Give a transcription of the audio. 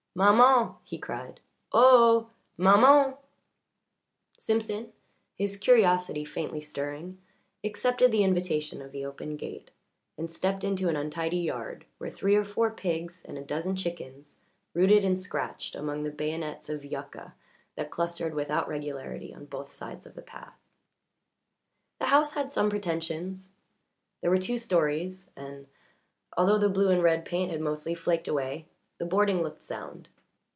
"Maman!" he called. "Oh! Maman!" Simpson, his curiosity faintly stirring, accepted the invitation of the open gate, and stepped into an untidy yard, where three or four pigs and a dozen chickens rooted and scratched among the bayonets of yucca that clustered without regularity on both sides of the path. The house had some pretensions; there were two stories, and, although the blue and red paint had mostly flaked away, the boarding looked sound.